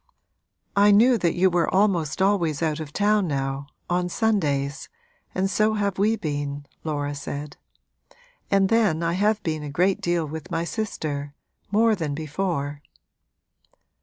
'I knew that you were almost always out of town now, on Sundays and so have we been,' Laura said. 'And then I have been a great deal with my sister more than before.'